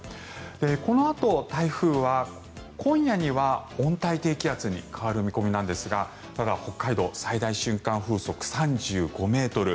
このあと台風は今夜には温帯低気圧に変わる見込みなんですが北海道、最大瞬間風速３５ｍ。